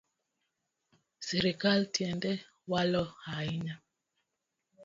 Sirkal tinde walo ahinya